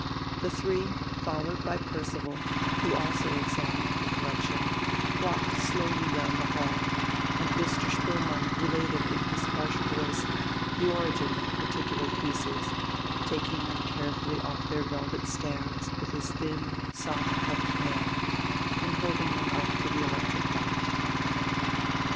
The three, followed by Percival, who also examined the collection, walked slowly round the hall; and Mr. Spoelmann related in his harsh voice the origin of particular pieces, taking them carefully off their velvet stands with his thin, soft cuffed hand, and holding them up to the electric light.